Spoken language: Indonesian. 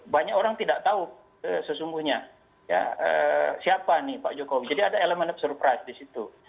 banyak orang tidak tahu sesungguhnya siapa nih pak jokowi jadi ada elemen surprise di situ